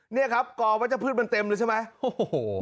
เนี่ยครับกอวัตเจ้าพืชมันเต็มเลยใช่ไหม